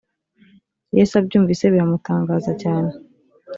yesu abyumvise biramutangaza cyane